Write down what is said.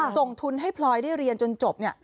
ส่งทุนให้พลอยได้เรียนจนจบเนี่ย